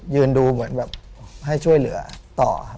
ยืนดูเหมือนแบบให้ช่วยเหลือต่อ